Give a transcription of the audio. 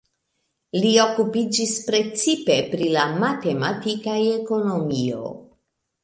Li okupiĝis precipe pri la matematika ekonomio.